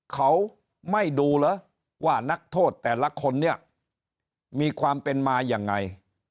เขาไม่ดูเหรอว่านักโทษแต่ละคนเนี่ยมีความเป็นมายังไง